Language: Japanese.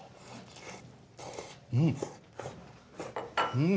うん。